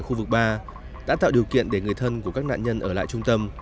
khu vực ba đã tạo điều kiện để người thân của các nạn nhân ở lại trung tâm